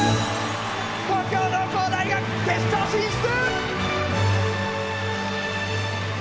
東京農工大学決勝進出！